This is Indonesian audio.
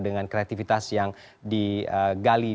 dengan kreativitas yang digali